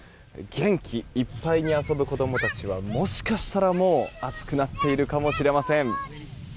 元気いっぱいに遊ぶ子供たちはもしかしたら、もう暑くなっているかもしれません。